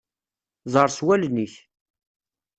Ẓer s wallen-ik.